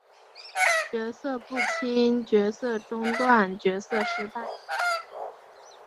角色不清角色中断角色失败